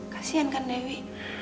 kasian kan dewi